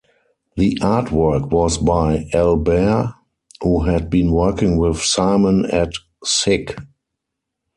The artwork was by Al Bare, who had been working with Simon at "Sick".